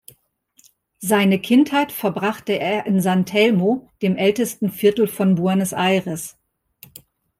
Seine Kindheit verbrachte er in San Telmo, dem ältesten Viertel von Buenos Aires.